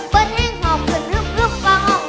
เปิดแห้งขอบคุณฮึกฮึกฟ้าห้อง